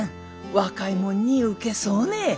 若いもんにウケそうね？